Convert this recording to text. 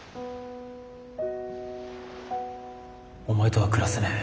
お前とは暮らせねえ。